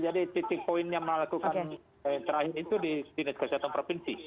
jadi titik poin yang melakukan terakhir itu di dinas kesehatan provinsi